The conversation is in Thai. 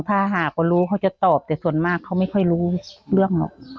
ถ้าหากเขารู้เขาจะตอบแต่ส่วนมากเขาไม่ค่อยรู้เรื่องหรอก